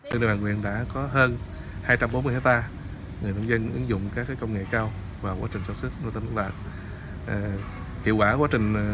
huyện cần duộc hiện có hơn hai trăm bốn mươi hectare người nông dân ứng dụng các công nghệ cao và quá trình sản xuất nuôi tôm nước lợ